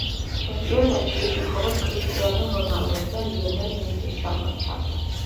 ჩემპიონატში ის მხოლოდ კრისტიანო რონალდოს და ლიონელ მესის ჩამორჩა.